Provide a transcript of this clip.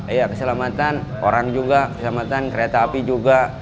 iya keselamatan orang juga keselamatan kereta api juga